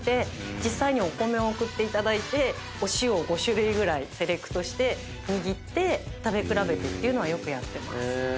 実際にお米を送っていただいてお塩を５種類ぐらいセレクトして握って食べ比べてっていうのはよくやってます。